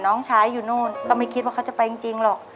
น้องชายอยู่นู่นก็ไม่คิดว่าเขาจะไปจริงหรอก